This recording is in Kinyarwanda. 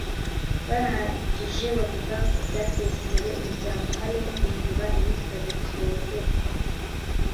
barangije bavuga kubyateza imbere umuryango harimo guhindura imyitwarire turebera